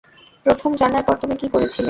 প্রথম জানার পর তুমি কি করেছিলে?